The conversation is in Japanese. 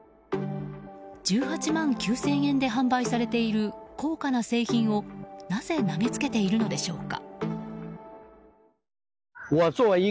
１８万９０００円で販売されている高価な製品をなぜ投げつけているのでしょうか。